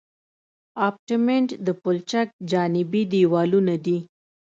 ابټمنټ د پلچک جانبي دیوالونه دي